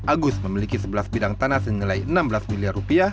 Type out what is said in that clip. agus memiliki sebelas bidang tanah senilai enam belas miliar rupiah